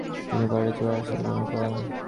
তিনি পাহাড়ের চূড়ায় আশ্রয় গ্রহণ করেন।